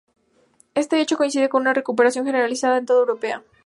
Este hecho coincide con una recuperación generalizada en toda Europa.